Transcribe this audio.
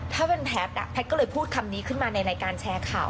ถ้าเป็นแพทย์แพทย์ก็เลยพูดคำนี้ขึ้นมาในรายการแชร์ข่าว